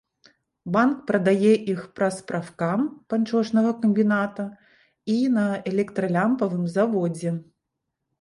Банк прадае іх праз прафкам панчошнага камбіната і на электралямпавым заводзе.